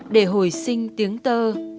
để hồi sinh tiếng tơ